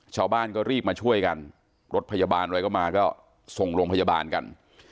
ชาวบ้านก็รีบมาช่วยกันรถพยาบาลอะไรก็มาก็ส่งโรงพยาบาลกัน